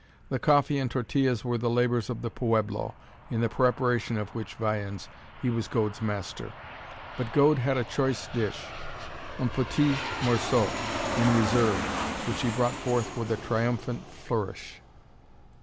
The coffee and tortillas were the labours of the pueblo, in the preparation of which viands he was Gode's master. But Gode had a choice dish, un petit morceau, in reserve, which he brought forth with a triumphant flourish.